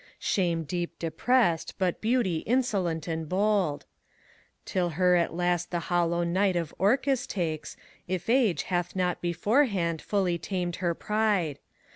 Shame deep depressed, but Beauty insolent and bold. Till her at last the hollow night of Orcus takes, If Age hath not beforehand fully tamed her pride.